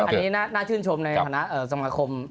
อันนี้น่าชื่นชมในฐานะสมาคม